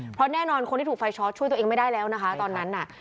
เพราะแน่นอนคนที่ถูกไฟช็อตช่วยตัวเองไม่ได้แล้วนะคะตอนนั้นน่ะ